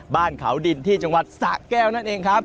บ้านเขาดินที่จังหวัดสะแก้วนั่นเองครับ